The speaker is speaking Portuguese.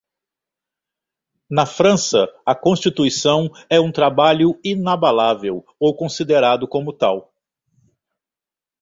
Na França, a constituição é um trabalho inabalável ou considerado como tal.